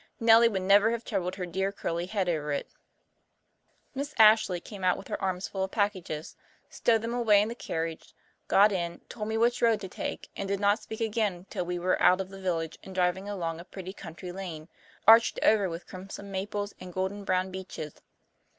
Nellie would never have troubled her dear, curly head over it. Miss Ashley came out with her arms full of packages, stowed them away in the carriage, got in, told me which road to take, and did not again speak till we were out of the village and driving along a pretty country lane, arched over with crimson maples and golden brown beeches.